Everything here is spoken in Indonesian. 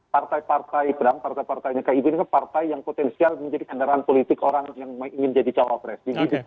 partai partai perang partai partainya keibirnya partai yang potensial menjadi kendaraan politik orang yang ingin jadi cawapres